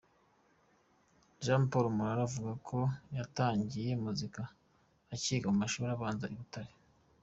Jean Paul Murara avuga ko yatangiye muzika akiga mu mashuri abanza i Butare.